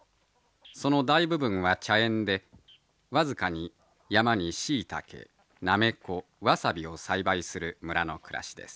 その大部分は茶園で僅かに山にしいたけなめこわさびを栽培する村の暮らしです。